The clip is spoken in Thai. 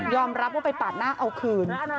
รับว่าไปปาดหน้าเอาคืน